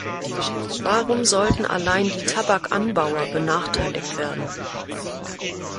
Warum sollten allein die Tabakanbauer benachteiligt werden?